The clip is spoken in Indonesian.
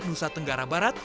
nusa tenggara barat